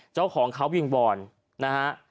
เจ้าของเขาวิงวอนนะฮะ